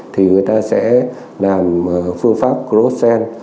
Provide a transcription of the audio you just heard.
thì người ta sẽ làm phương pháp crocsen